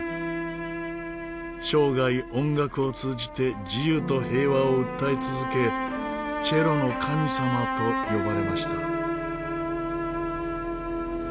生涯音楽を通じて自由と平和を訴え続け「チェロの神様」と呼ばれました。